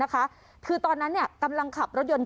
คือตอนนั้นกำลังขับรถยนต์